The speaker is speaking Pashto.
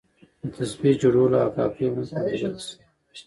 د تسبیح جوړولو او حکاکۍ هنر په لوګر کې شته.